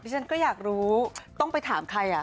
ฉันก็อยากรู้ต้องไปถามใคร